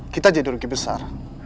kita jadi rugi besar